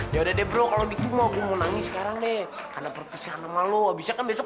ya udah deh bro kalau gitu mau nangis sekarang deh karena perpisahan sama lo bisa kan besok